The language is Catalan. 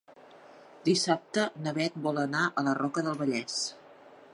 Dissabte na Bet vol anar a la Roca del Vallès.